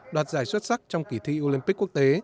đoạt giải xuất sắc trong kỳ thi olympic quốc tế